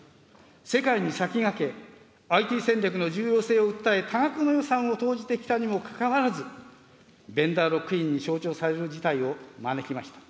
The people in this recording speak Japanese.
世界に先駆け、ＩＴ戦略の重要性を訴え、多額の予算を投じてきたにもかかわらず、ベンダーロックインに象徴される事態を招きました。